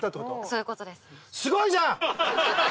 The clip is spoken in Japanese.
そういう事です。